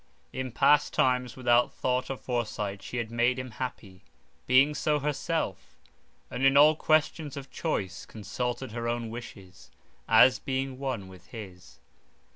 In past times, without thought or foresight she had made him happy, being so herself, and in any question of choice, consulted her own wishes, as being one with his.